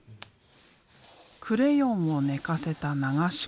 クレヨンを寝かせた流し込み。